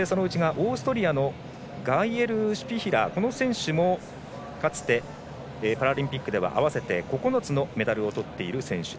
オーストリアのガイエルシュピヒラーこの選手もかつてパラリンピックでは合わせて９つのメダルをとっている選手。